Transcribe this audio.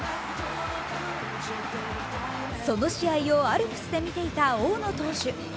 その試合をアルプスで見ていた大野投手。